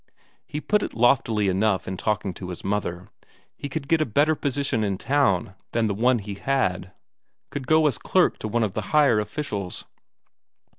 He had put it loftily enough in talking to his mother; he could get a better position in town than the one he had; could go as clerk to one of the higher officials.